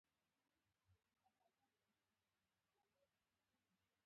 د هلمند په ناوې کې د سمنټو مواد شته.